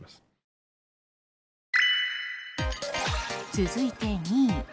続いて、２位。